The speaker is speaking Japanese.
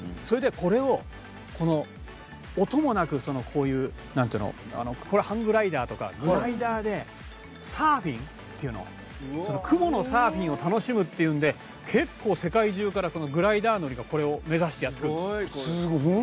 それでこれをこの音もなくそのこういうなんていうのハンググライダーとかグライダーでサーフィンっていうの雲のサーフィンを楽しむっていうんで結構世界中からグライダー乗りがこれを目指してやってくるんですよ。